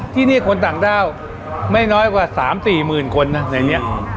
ที่นี่คนต่างด้าวไม่น้อยกว่า๓๔หมื่นคนนะในนี้